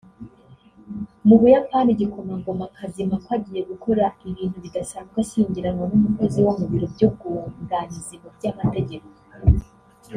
Mubuyapani igikomangomakazi Mako agiye gukora ibintu bidasanzwe ashyingiranwa n’umukozi wo mubiro by’ubwunganizi mu by’amategeko